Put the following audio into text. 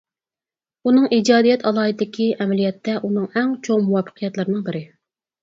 ئۇنىڭ ئىجادىيەت ئالاھىدىلىكى ئەمەلىيەتتە ئۇنىڭ ئەڭ چوڭ مۇۋەپپەقىيەتلىرىنىڭ بىرى.